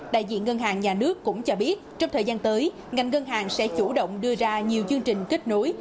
đại diện ngân hàng nhà nước cũng cho biết trong thời gian tới ngành ngân hàng sẽ chủ động đưa ra nhiều chương trình kết nối